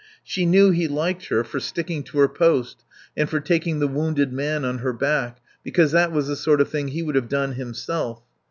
She knew he liked her for sticking to her post and for taking the wounded man on her back, because that was the sort of thing he would have done himself.